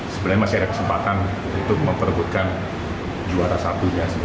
sebenarnya masih ada kesempatan untuk memperebutkan juara sama